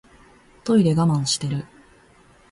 トイレ我慢してる